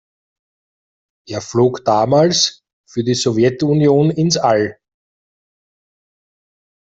Er flog damals für die Sowjetunion ins All.